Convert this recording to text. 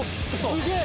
すげえ！